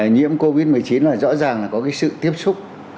nhiễm covid một mươi chín là rõ ràng là có cái sự tiếp xúc